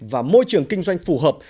và môi trường kinh doanh phù hợp